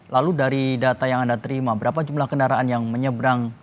lalu dari data yang anda terima berapa jumlah kendaraan yang menyeberang